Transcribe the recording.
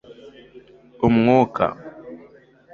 umwuka